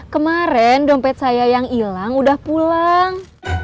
kemarin dompet saya yang hilang udah pulang